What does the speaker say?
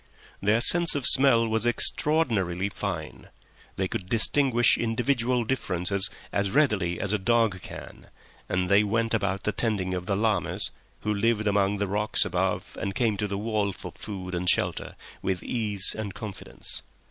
Their sense of smell was extraordinarily fine; they could distinguish individual differences as readily as a dog can, and they went about the tending of llamas, who lived among the rocks above and came to the wall for food and shelter, with ease and confidence.